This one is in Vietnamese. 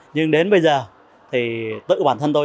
nhưng đến bây giờ thì tự bản thân tôi